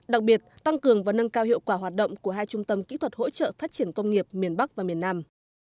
đặc biệt tăng cường và nâng cao hiệu quả hoạt động của hai trung tâm kỹ thuật hỗ trợ phát triển công nghiệp miền bắc và miền nam